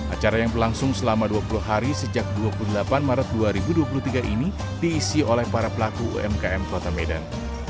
acara yang berlangsung selama dua puluh hari sejak dua puluh delapan maret dua ribu dua puluh tiga ini diisi oleh para pelaku umkm kota medan